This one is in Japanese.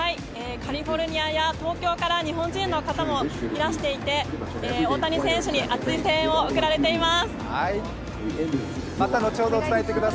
カリフォルニアや東京から日本人の方もいらしていて大谷選手に熱い声援を送られています。